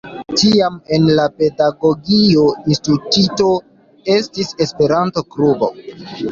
Tiam en la Pedagogia Instituto estis Esperanto-klubo.